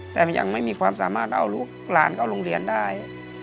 แต่มันยังไม่มีความสามารถแล้วเอาลูกหลานเข้าโรงเรียนได้